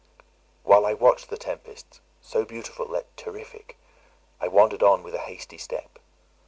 While I watched the tempest, so beautiful yet terrific, I wandered on with a hasty step.